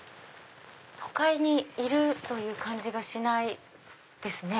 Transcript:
都会にいるという感じがしないですね。